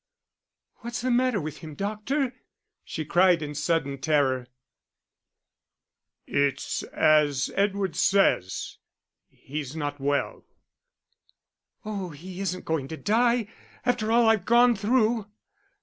"What's the matter with him, doctor," she cried, in sudden terror. "It's as Edward says, he's not well." "Oh, he isn't going to die after all I've gone through."